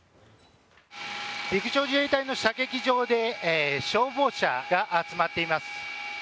陸上自衛隊の射撃場で消防車が集まっています。